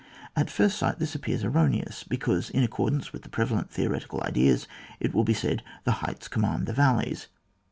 At first sight this appears erroneous, be cause, in accordance with the prevalent theoretical ideas, it will be said, the heights command the valleys.